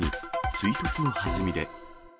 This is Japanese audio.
追突のはずみで。